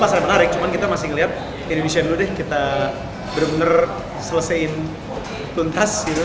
pasar menarik cuman kita masih ngeliat indonesia dulu deh kita bener bener selesaiin tuntas gitu